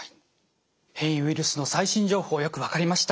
変異ウイルスの最新情報よく分かりました。